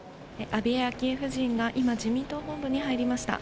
安倍昭恵夫人が今、自民党本部に入りました。